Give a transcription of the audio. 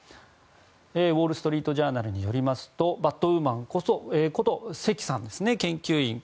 ウォール・ストリート・ジャーナルによりますとバットウーマンことセキさん、セキ研究員。